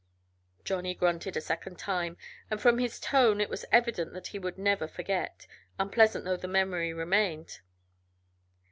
Johnny grunted a second time, and from his tone it was evident that he would never forget, unpleasant though the memory remained.